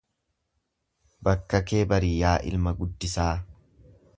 Bakka kee bari yaa ilma guddisaa.